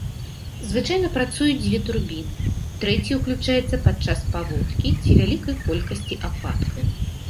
Звычайна працуюць дзве турбіны, трэцяя уключаецца падчас паводкі ці вялікай колькасці ападкаў.